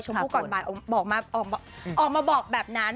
ผู้ก่อนออกมาบอกแบบนั้น